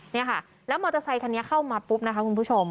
นี่ค่ะแล้วมอเตอร์ไซคันนี้เข้ามาปุ๊บนะคะคุณผู้ชม